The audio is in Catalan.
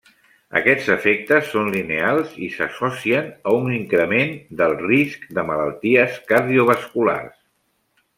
Aquests efectes són lineals i s’associen a un increment del risc de malalties cardiovasculars.